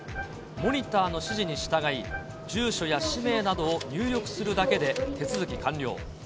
モニターの指示に従い、住所や氏名などを入力するだけで手続き完了。